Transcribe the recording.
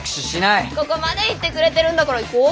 ここまで言ってくれてるんだから行こう。